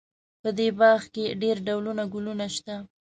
په دې باغ کې ډېر ډولونه ګلونه شته